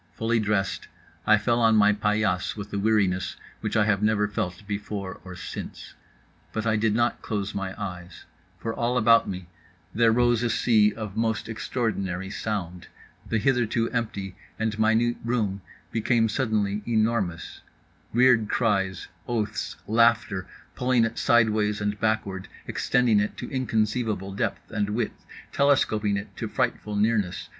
Fully dressed, I fell on my paillasse with a weariness which I have never felt before or since. But I did not close my eyes: for all about me there rose a sea of most extraordinary sound… the hitherto empty and minute room became suddenly enormous: weird cries, oaths, laughter, pulling it sideways and backward, extending it to inconceivable depth and width, telescoping it to frightful nearness.